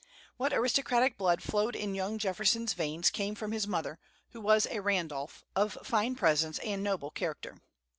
What aristocratic blood flowed in young Jefferson's veins came from his mother, who was a Randolph, of fine presence and noble character.